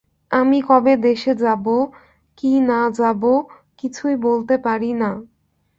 আমি কবে দেশে যাব, কি না যাব, কিছুই বলতে পারি না।